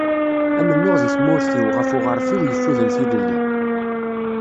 Amennuɣ deg tmurt-iw, ɣef uɣref-iw yeffuden tilelli.